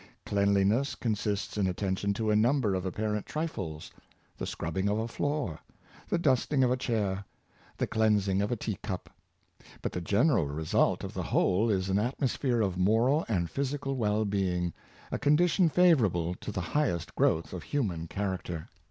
Cleanliness consists in attention to a number of apparent trifles — the scrubbing of a floor, the dusting of a chair^ the cleansing of a tea cup; but the general result of the whole is an atmosphere of moral and physical well being — a condition favorable to the highest growth of human character.